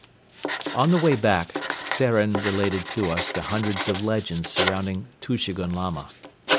On the way back Tzeren related to us the hundreds of legends surrounding Tushegoun Lama.